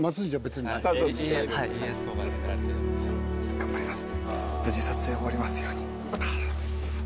頑張ります。